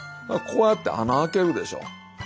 こうやって穴開けるでしょ。